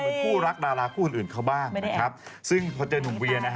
เหมือนคู่รักดาราคู่อื่นเขาบ้างซึ่งพอเจอนุ่มวิวเนี่ย